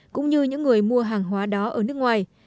cũng như những người mua hàng hóa đó ở nước ngoài